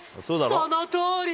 そのとおり。